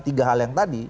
tiga hal yang tadi